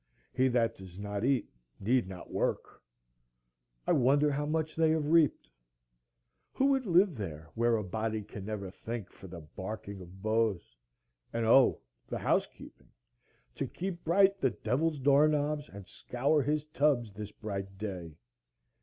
He that does not eat need not work. I wonder how much they have reaped. Who would live there where a body can never think for the barking of Bose? And O, the housekeeping! to keep bright the devil's door knobs, and scour his tubs this bright day!